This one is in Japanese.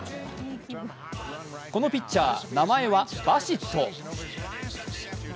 このピッチャー、名前はバシット。